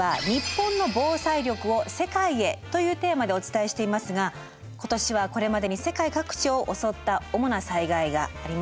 今回はというテーマでお伝えしていますが今年はこれまでに世界各地を襲った主な災害があります。